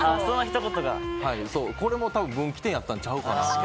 これも多分、分岐点やったんちゃうかなと。